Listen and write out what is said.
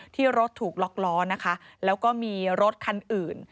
ที่รถถูกล็อกล้อนะคะแล้วก็มีรถคันอื่น